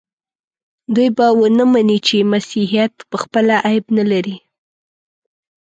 دوی به ونه مني چې مسیحیت پخپله عیب نه لري.